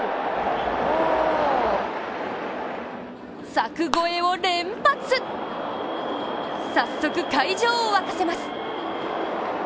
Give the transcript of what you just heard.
柵越えを連発、早速会場を沸かせます。